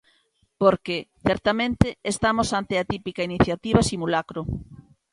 Porque, certamente, estamos ante a típica iniciativa simulacro.